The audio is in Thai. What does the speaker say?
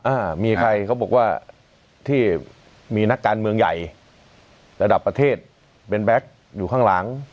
อ่ามีใครเขาบอกว่าที่มีนักการเมืองใหญ่ระดับประเทศเป็นแบ็คอยู่ข้างหลัง